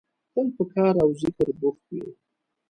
تل په کار او ذکر بوخت وي.